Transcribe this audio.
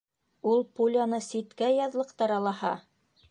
— Ул пуляны ситкә яҙлыҡтыра лаһа!